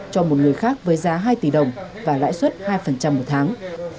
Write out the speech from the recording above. cho một người khác với giá hai tỷ đồng và lãi suất hai một tháng